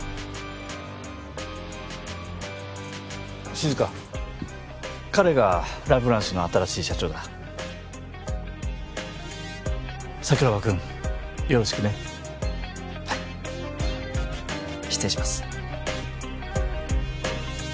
静彼がラ・ブランシュの新しい社長だ桜庭君よろしくねはい失礼します